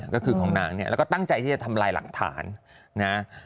ก็คือของนางเนี่ยแล้วก็ตั้งใจที่จะทำลายหลักฐานนะ